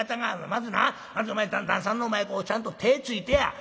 まずなまずお前旦さんの前ちゃんと手ぇついてや。